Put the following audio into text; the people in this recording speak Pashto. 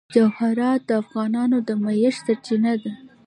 جواهرات د افغانانو د معیشت سرچینه ده.